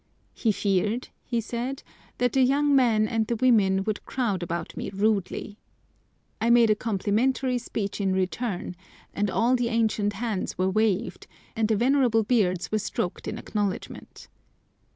He feared, he said, that the young men and the women would crowd about me rudely. I made a complimentary speech in return, and all the ancient hands were waved, and the venerable beards were stroked in acknowledgment.